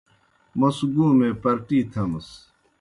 موْس گُومے پرٹِی تھمِس۔